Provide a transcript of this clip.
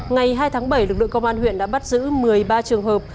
ngày hai tháng bảy lực lượng công an huyện đã bắt giữ một mươi ba trường hợp